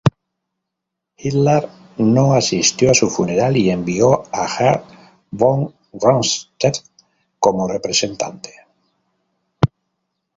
Hitler no asistió a su funeral y envió a Gerd von Rundstedt como representante.